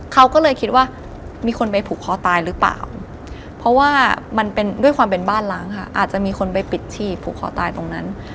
เขาก็เลยคิดว่ามีคนไปผูกคอตายหรือเปล่าเพราะว่ามันเป็นด้วยความเป็นบ้านล้างค่ะอาจจะมีคนไปปิดฉี่ผูกคอตายตรงนั้น